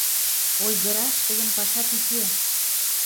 Ойгыраш тыйын пашат уке!